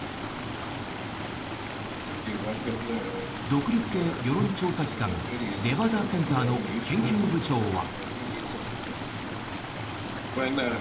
独立系世論調査機関レバダ・センターの研究部長は。